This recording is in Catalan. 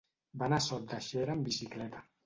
Va anar a Sot de Xera amb bicicleta.